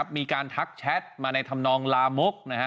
มีการทักแชทมาในธำนองลามก